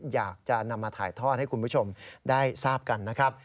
อยากจะนำมาถ่ายทอดให้คุณผู้ชมได้ทราบกันนะครับ